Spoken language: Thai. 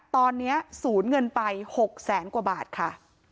ตอนนี้ศูนย์เงินไป๖แสนกว่าบาทค่ะ